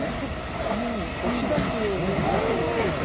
このように押し出すように、ぽりぽりと。